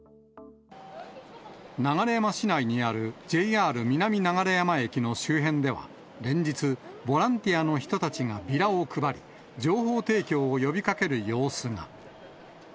流山市内にあるＪＲ南流山駅の周辺では、連日、ボランティアの人たちがビラを配り、情報提供を呼びかける様子が。